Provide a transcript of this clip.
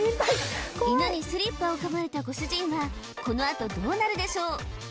犬にスリッパを噛まれたご主人はこのあとどうなるでしょう？